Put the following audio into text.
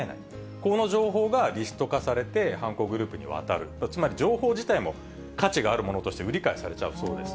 この情報がリスト化されて、犯行グループに渡る、つまり情報自体も価値があるものとして売り買いされちゃうそうです。